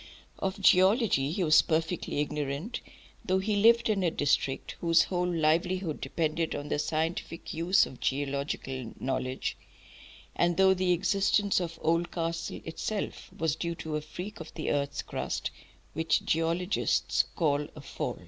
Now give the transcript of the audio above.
Of geology he was perfectly ignorant, though he lived in a district whose whole livelihood depended on the scientific use of geological knowledge, and though the existence of Oldcastle itself was due to a freak of the earth's crust which geologists call a "fault."